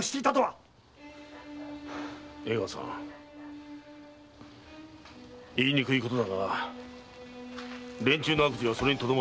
江川さん言いにくいことだが連中の悪事はそれに止まらない。